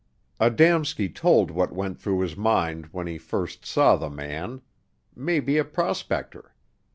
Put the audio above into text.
Adamski told what went through his mind when he first saw the man maybe a prospector.